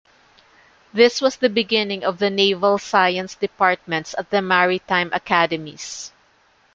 This was the beginning of the Naval Science Departments at the maritime academies.